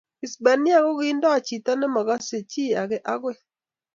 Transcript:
Hispania kokiindoi chito ne makase chi ake akoi